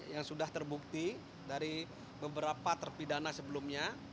yang sudah terbukti dari beberapa terpidana sebelumnya